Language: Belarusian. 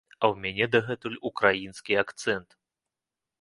А я ў мяне дагэтуль украінскі акцэнт.